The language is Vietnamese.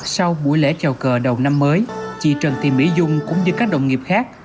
sau buổi lễ chào cờ đầu năm mới chị trần thị mỹ dung cũng như các đồng nghiệp khác